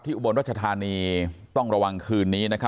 ที่อุบรณรชธานีต้องระวังคืนนี้นะคะ